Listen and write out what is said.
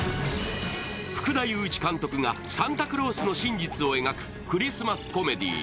福田雄一監督がサンタクロースの真実を描くクリスマスコメディー